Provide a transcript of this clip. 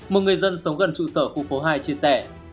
một người dân sống gần trụ sở khu phố hai chia sẻ